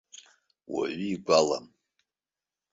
Уаҩы игәалам.